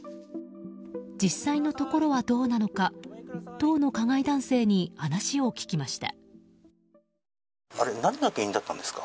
実際のところはどうなのか当の加害男性に話を聞きました。